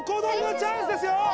チャンスですよ